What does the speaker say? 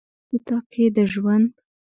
دې کتاب کښې د ژوند